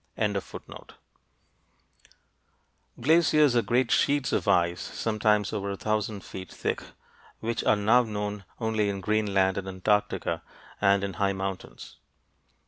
Glaciers are great sheets of ice, sometimes over a thousand feet thick, which are now known only in Greenland and Antarctica and in high mountains.